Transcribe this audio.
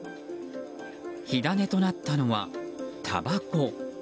火種となったのは、たばこ。